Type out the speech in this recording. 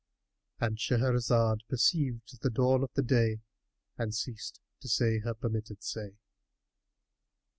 ——And Shahrazad perceived the dawn of day and ceased to say her permitted say.